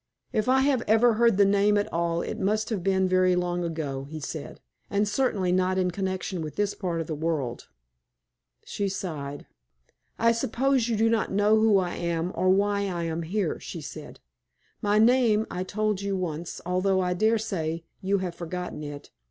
"If I have ever heard the name at all it must have been very long ago," he said; "and certainly not in connection with this part of the world." She sighed. "I suppose you do not know who I am, or why I am here," she said. "My name I told you once, although I daresay you have forgotten it.